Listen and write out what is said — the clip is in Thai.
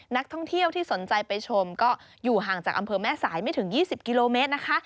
นักท่องเที่ยวที่สนใจไปชมก็อยู่ห่างจากอำเภอแม่สายไม่ถึง๒๐กิโลเมตรนะคะ